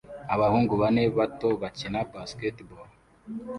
abahungu bane bato bakina basketball